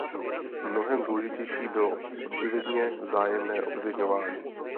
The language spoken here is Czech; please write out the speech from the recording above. Mnohem důležitější bylo očividně vzájemné obviňování.